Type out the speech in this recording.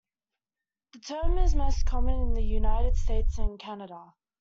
The term is most common in the United States and Canada.